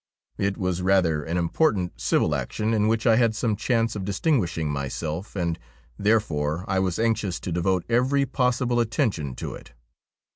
It was rather an important civil action in which I had some chance of distinguishing myself, and therefore I was anxious to devote every possible attention to it.